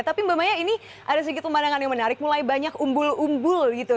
tapi mbak maya ini ada sedikit pemandangan yang menarik mulai banyak umbul umbul gitu